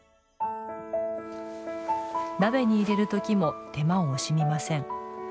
鍋に入れる時も手間を惜しみません。